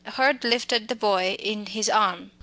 Hurd lifted the boy in his arm.